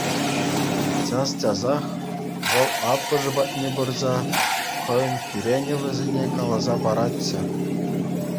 Час-часах вӑл аппӑшӗ патне пырса хӑйӗн кӳренӗвӗсене каласа паратчӗ.